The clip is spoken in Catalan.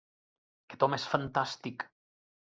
Aquest home és fantàstic!